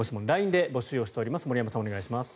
ＬＩＮＥで募集をしております。